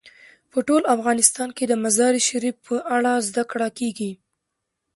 په ټول افغانستان کې د مزارشریف په اړه زده کړه کېږي.